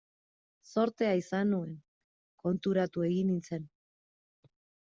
Zortea izan nuen, konturatu egin nintzen.